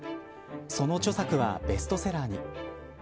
その著作はベストセラーに。